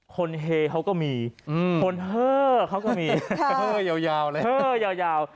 คนเฮเขาก็มีคนเฮ้เขาก็มีเฮ้ยาวเลยเฮ้ยาว